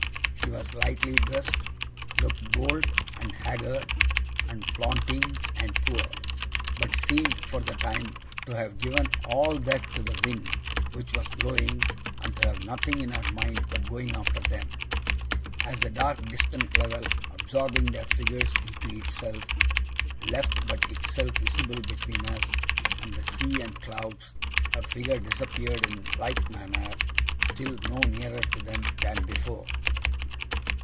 She was lightly dressed; looked bold, and haggard, and flaunting, and poor; but seemed, for the time, to have given all that to the wind which was blowing, and to have nothing in her mind but going after them. As the dark distant level, absorbing their figures into itself, left but itself visible between us and the sea and clouds, her figure disappeared in like manner, still no nearer to them than before.